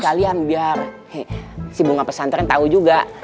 kalian biar si bunga pesantren tahu juga